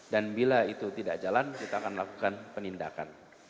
dan bila itu tidak jalan kita akan melakukan penindakan